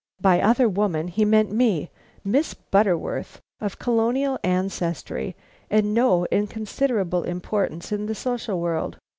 By other woman he meant me, Miss Butterworth, of Colonial ancestry and no inconsiderable importance in the social world.